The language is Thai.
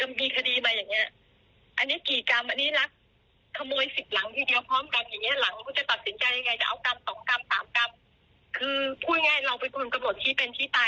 แหละนะมันมันก็ก็ต้องมั่นคงของเรา